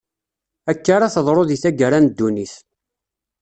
Akka ara teḍru di taggara n ddunit.